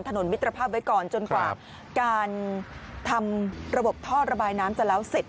มิตรภาพไว้ก่อนจนกว่าการทำระบบท่อระบายน้ำจะแล้วเสร็จ